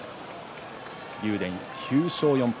竜電、９勝４敗。